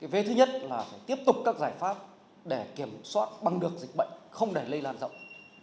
vế thứ nhất là phải tiếp tục các giải pháp để kiểm soát bằng được dịch bệnh không để lây lan rộng